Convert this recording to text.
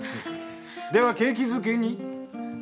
では景気づけに。